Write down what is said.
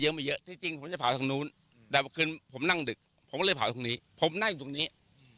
ทำไมเราไม่สิทธิ์ทำหรือปูตะแป๊งปูงดิแต่ที่นี่พวกน้ำปูงที่กำลังขึ้นอยู่เนี่ย